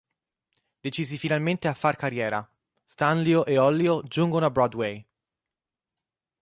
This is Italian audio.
Decisi finalmente a far carriera, Stanlio e Ollio giungono a Broadway.